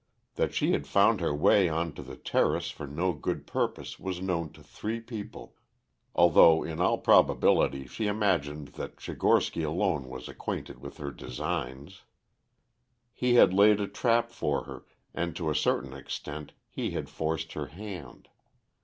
That she had found her way on to the terrace for no good purpose was known to three people, although in all probability she imagined that Tchigorsky alone was acquainted with her designs. He had laid a trap for her and to a certain extent he had forced her hand.